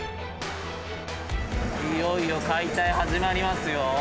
いよいよ解体始まりますよ。